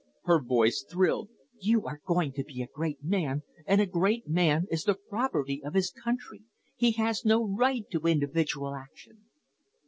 Her voice thrilled. "You are going to be a great man, and a great man is the property of his country. He has no right to individual action."